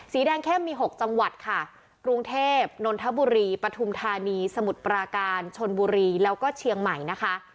สีแดงเข้มมี๖จังหวัดค่ะกรุงเทพนนทบุรีปฐุมธานีสมุทรปราการชนบุรีแล้วก็เชียงใหม่นะคะ